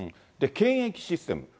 検疫システム。